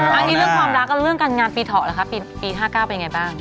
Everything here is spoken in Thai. บางทีเรื่องความรักก็เรื่องการงานปีเทาะหรือคะปี๕๙เป็นยังไงบ้าง